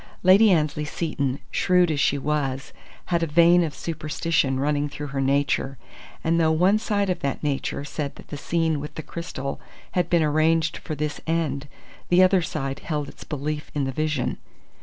Lady Annesley Seton, shrewd as she was, had a vein of superstition running through her nature, and, though one side of that nature said that the scene with the crystal had been arranged for this end, the other side held its belief in the vision.